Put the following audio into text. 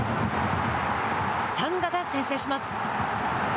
サンガが先制します。